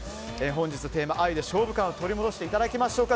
本日のテーマ、アユで勝負勘を取り戻していただきましょう。